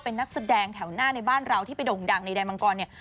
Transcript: เป็นนักแสดงแถวหน้าในบ้านเราที่ไปด่งดังในแดนมังกรเนี่ย